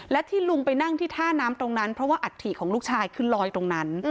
และที่ลุงไปนั่งที่ท่าน้ำตรงนั้นเพราะว่าอัฐิของลูกชายคือลอยตรงนั้น